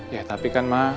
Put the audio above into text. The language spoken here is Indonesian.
ya tapi kan ma